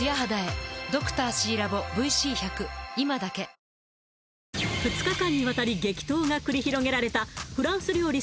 東京海上日動２日間にわたり激闘が繰り広げられたフランス料理